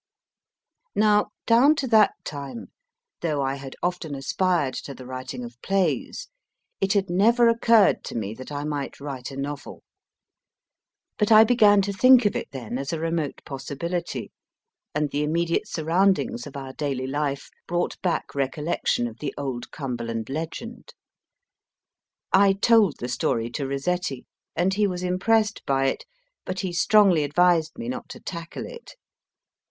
Now, down to that time, though I had often aspired to the writing of plays, it had never occurred to me that I might write a novel. But I began to think of it then as a remote possibility, and the immediate surroundings of our daily life brought back recollection of the old Cumberland legend. I told the story to Rossetti, and he was impressed by it, but he strongly advised me not to tackle it.